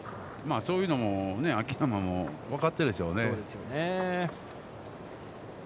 そういうのも秋山も、分かっているでしょうね。